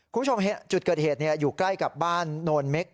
คุณผู้ชมจุดเกิดเหตุอยู่ใกล้กับบ้านโนนเม็ก